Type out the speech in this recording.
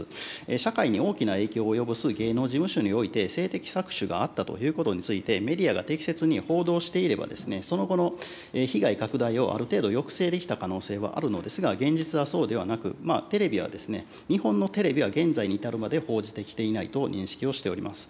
社会に大きな影響を及ぼす芸能事務所において、性的搾取があったということについて、メディアが適切に報道していれば、その後の被害拡大を、ある程度抑制できた可能性はあるのですが、現実はそうではなく、テレビは、日本のテレビは現在に至るまで報じてきていないと認識をしております。